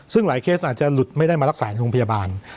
ซึ่งหลายเคสอาจจะหลุดไม่ได้มารักษาในโรงพยาบาล